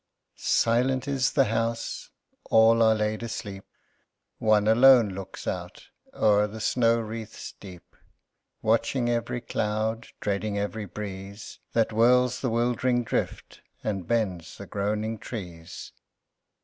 Silent is the house: all are laid asleep: One alone looks out o'er the snow wreaths deep, Watching every cloud, dreading every breeze That whirls the wildering drift, and bends the groaning trees.